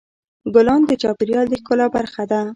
ګلان د چاپېریال د ښکلا برخه ده.